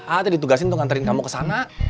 a tadi tugasin untuk nganterin kamu ke sana